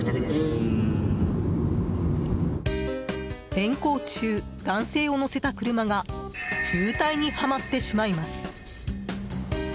連行中、男性を乗せた車が渋滞に、はまってしまいます。